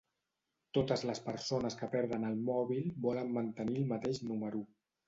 Totes les persones que perden el mòbil volen mantenir el mateix número.